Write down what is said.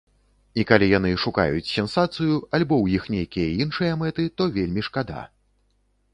І калі яны шукаюць сенсацыю, альбо ў іх нейкія іншыя мэты, то вельмі шкада.